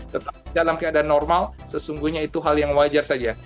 tetapi dalam keadaan normal sesungguhnya itu hal yang wajar saja